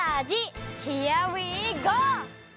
ヒアウィーゴー！